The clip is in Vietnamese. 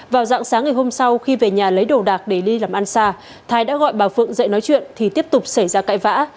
vào dạng sáng ngày hôm sau khi về nhà lấy đồ đạc để đi làm ăn xa thái đã gọi bà phượng dậy nói chuyện thì tiếp tục xảy ra cãi vã